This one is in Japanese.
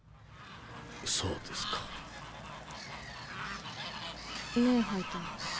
そうですか。ねぇハイター。